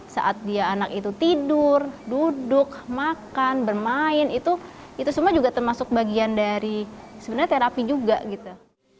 saat dia anak itu tidur duduk makan bermain itu semua juga termasuk bagian dari sebenarnya terapi juga gitu